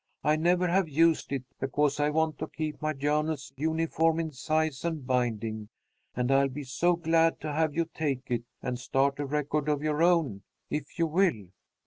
"I never have used it, because I want to keep my journals uniform in size and binding, and I'll be so glad to have you take it and start a record of your own, if you will."